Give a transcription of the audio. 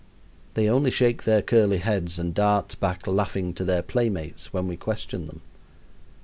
They only shake their curly heads and dart back laughing to their playmates when we question them.